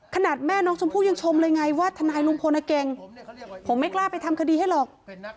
แม่น้องชมพู่ยังชมเลยไงว่าทนายลุงพลเก่งผมไม่กล้าไปทำคดีให้หรอก